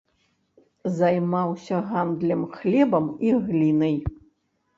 Займаўся гандлем хлебам і глінай.